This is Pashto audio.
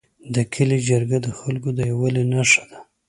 د کلي جرګه د خلکو د یووالي نښه ده.